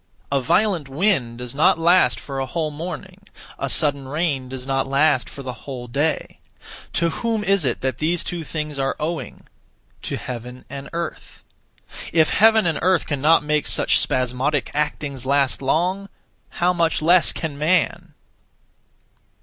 A violent wind does not last for a whole morning; a sudden rain does not last for the whole day. To whom is it that these (two) things are owing? To Heaven and Earth. If Heaven and Earth cannot make such (spasmodic) actings last long, how much less can man!